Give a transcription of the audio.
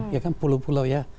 ya kan pulau pulau ya